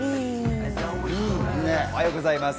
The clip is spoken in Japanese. おはようございます。